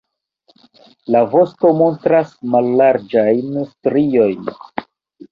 La vosto montras mallarĝajn striojn.